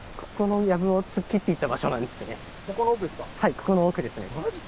ここの奥ですか？